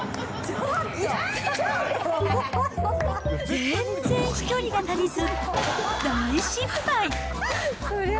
全然飛距離が足りず、大失敗。